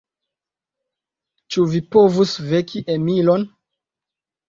Ĉu vi povus veki Emilon?